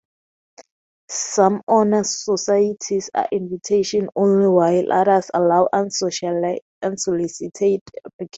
Some honor societies are invitation only while others allow unsolicited applications.